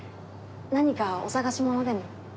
何かお探し物でも？